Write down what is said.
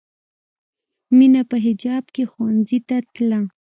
مینه په حجاب کې ښوونځي ته تله